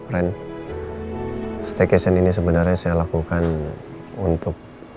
ren staycation ini sebenarnya saya lakukan untuk